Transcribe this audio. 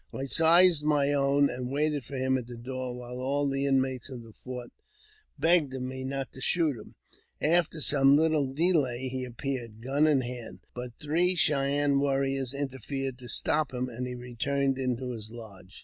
I seized my own, and waited for him at the door, while all the inmates of the fort begged of ma not to shoot him. After some little delay, he appeared, gu:^ in hand ; but three Cheyenne warriors interfered to stop him, and he returned into his lodge.